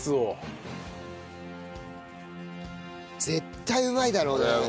絶対うまいだろうね。